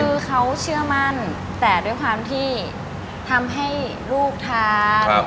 คือเขาเชื่อมั่นแต่ด้วยความที่ทำให้ลูกทาน